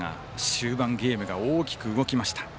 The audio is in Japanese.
終盤、ゲームが大きく動きました。